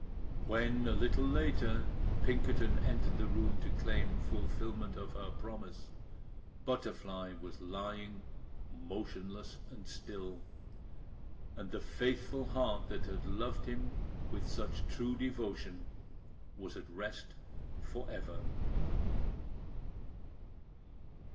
When, a little later, Pinkerton entered the room to claim fulfilment of her promise, Butterfly was lying motionless and still; and the faithful heart that had loved him with such true devotion was at rest for ever!